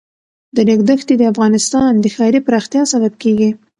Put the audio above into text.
د ریګ دښتې د افغانستان د ښاري پراختیا سبب کېږي.